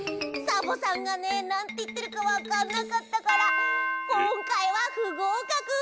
サボさんがねなんていってるかわかんなかったからこんかいはふごうかく！